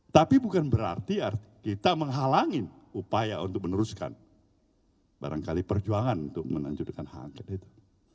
tapi bukan berarti kita menghalangi upaya untuk meneruskan barangkali perjuangan untuk menanjutkan hangket itu